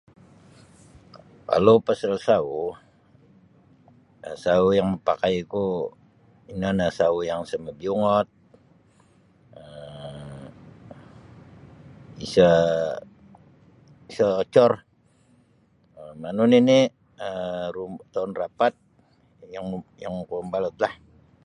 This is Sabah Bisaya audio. Kalau pasal sawu um sawu yang mapakaiku ino nio sawu yang sa' mabiungot um isa' isa' ocor manu nini' um rumo kawan rapat yang yang kuo mabalutlah.